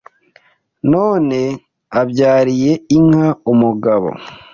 None abyariye inka umugabo